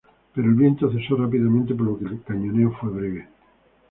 Pero el viento cesó rápidamente por lo que el cañoneo fue breve.